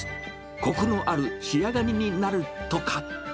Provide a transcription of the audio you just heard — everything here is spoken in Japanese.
こくのある仕上がりになるとか。